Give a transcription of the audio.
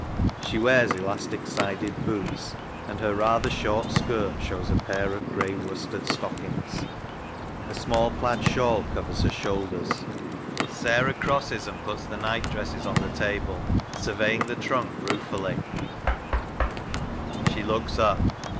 She wears elastic sided boots, and her rather short skirt shows a pair of grey worsted stockings. A small plaid shawl covers her shoulders. Sarah crosses and puts the night dresses on the table, surveying the trunk ruefully. There is a knock at the outside door and she looks up.